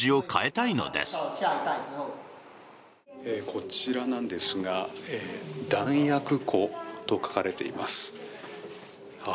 こちらなんですが弾薬庫と書かれています。